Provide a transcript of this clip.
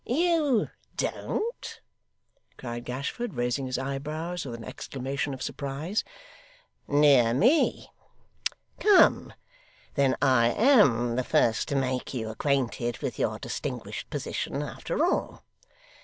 'You don't?' cried Gashford, raising his eyebrows with an exclamation of surprise. 'Dear me! Come; then I AM the first to make you acquainted with your distinguished position, after all.